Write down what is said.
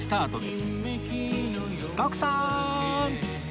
徳さん！